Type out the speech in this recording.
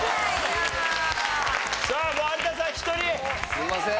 すいません。